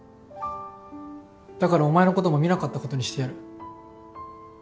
だからお前の事も見なかった事にしてやる。